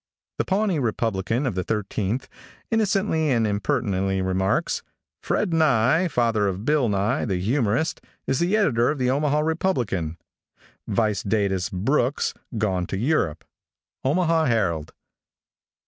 |THE Pawnee Republican, of the 13th, innocently and impertinently, remarks: "Fred Nye, father of Bill Aye, the humorist, is the editor of the Omaha _Republican, vice_Datus Brooks, gone to Europe." _Omaha Herald.